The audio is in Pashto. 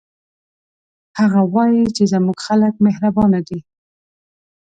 هغه وایي چې زموږ خلک مهربانه دي